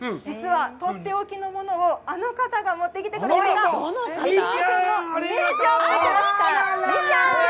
実は取っておきのものをあの方が持ってきてくれました。